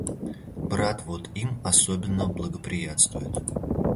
Брат вот им особенно благоприятствует.